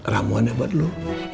ramuan ya buat lu